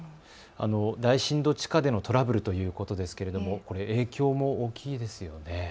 大深度地下でのトラブルということですが影響も大きいですよね。